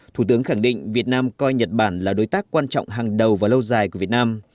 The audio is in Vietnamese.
thủ tướng khẳng định việt nam coi nhật bản là đối tác quan trọng hàng đầu và lâu dài của việt nam